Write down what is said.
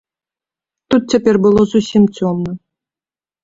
Тут цяпер было зусім цёмна.